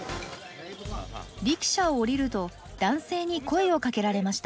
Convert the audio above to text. リキシャを降りると男性に声をかけられました。